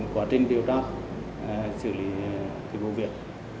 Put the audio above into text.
quá trình điều tra xử lý thủy vụ việc